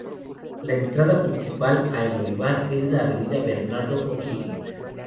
La entrada principal a El Olivar es la Avenida Bernardo O'Higgins.